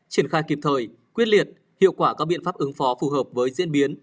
triển khai kịp thời quyết liệt hiệu quả các biện pháp ứng phó phù hợp với diễn biến